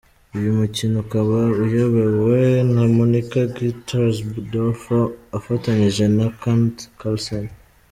Uyu mukino ukaba uyobowe na Monika Gintersdorfer afatanyije na knut Klassen.